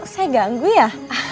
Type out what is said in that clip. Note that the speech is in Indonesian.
saya ganggu ya